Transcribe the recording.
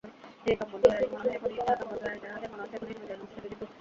Jasmine Islam notice পাওয়ার পরও দুদকে তাঁর সম্পদ বিবরণী দাখিল করেননি।